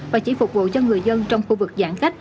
và chỉ phục vụ cho người dân trong khu vực giãn cách